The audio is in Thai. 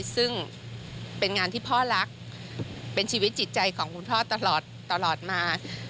ซึ่งเป็นงานที่พ่อรักเป็นชีวิตจิตใจของคุณพ่อตลอดมา